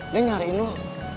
dia nyariin lu